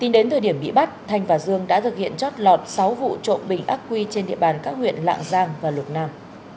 để bị bắt thanh và dương đã thực hiện chót lọt sáu vụ trộm bình ác quy trên địa bàn các huyện lạng giang và lục nam